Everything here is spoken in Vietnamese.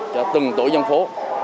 cho từng tổ dân phố